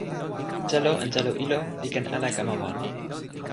telo en telo ilo li ken ala kama wan.